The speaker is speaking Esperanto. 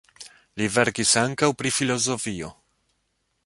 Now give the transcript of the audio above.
Li verkis ankaŭ pri filozofio.